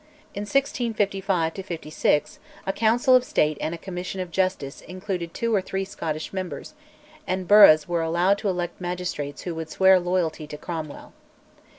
In 1655 1656 a Council of State and a Commission of Justice included two or three Scottish members, and burghs were allowed to elect magistrates who would swear loyalty to Cromwell.